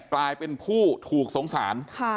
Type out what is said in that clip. กลายเป็นผู้ถูกสงสาร